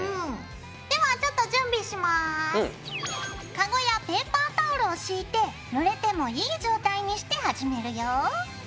カゴやペーパータオルを敷いてぬれてもいい状態にして始めるよ。